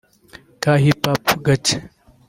ka hip hop gake